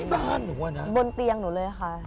ที่บ้านหนูอ่ะน่ะอ่ะบนเตียงหนูเลยอะค่ะ